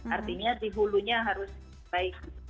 artinya dihulunya harus baik